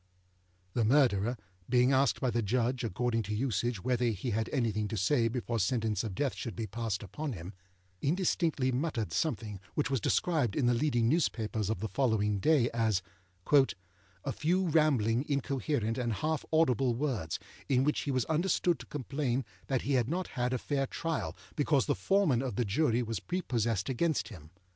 The Murderer, being asked by the Judge, according to usage, whether he had anything to say before sentence of Death should be passed upon him, indistinctly muttered something which was described in the leading newspapers of the following day as âa few rambling, incoherent, and half audible words, in which he was understood to complain that he had not had a fair trial, because the Foreman of the Jury was prepossessed against him.